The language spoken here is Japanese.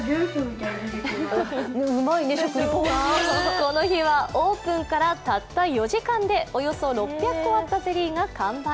この日はオープンからたった４時間でおよそ６００個あったゼリーが完売。